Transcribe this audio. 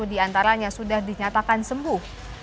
di antaranya sudah dinyatakan sembuh